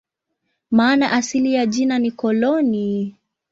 Maana asili ya jina ni "koloni".